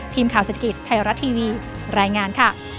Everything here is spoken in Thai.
ทีมข่าวศัตริกิจไทยรัตน์ทีวีรายงาน